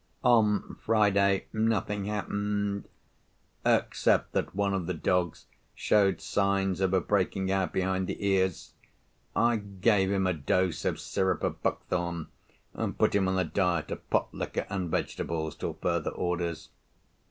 On Friday, nothing happened—except that one of the dogs showed signs of a breaking out behind the ears. I gave him a dose of syrup of buckthorn, and put him on a diet of pot liquor and vegetables till further orders.